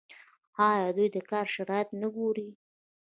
آیا دوی د کار شرایط نه ګوري؟